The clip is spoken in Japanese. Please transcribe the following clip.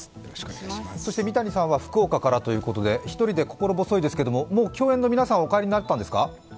三谷さんは福岡からということで、一人で心細いですけれどももう共演の皆さんはお帰りになったんですか？